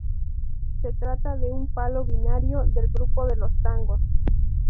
Se trata de un palo binario, del grupo de los tangos.